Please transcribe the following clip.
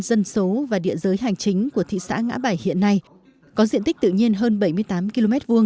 dân số và địa giới hành chính của thị xã ngã bảy hiện nay có diện tích tự nhiên hơn bảy mươi tám km hai